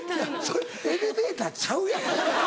それエレベーターちゃうやん。